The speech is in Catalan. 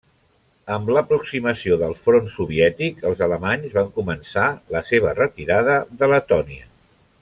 Amb l'aproximació del front soviètic, els alemanys van començar la seva retirada de Letònia.